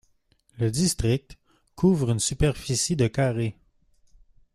Le district couvre une superficie de carrés.